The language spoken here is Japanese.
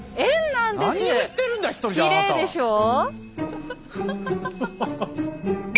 きれいでしょう？